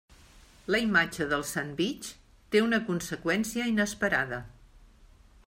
La imatge del sandvitx té una conseqüència inesperada.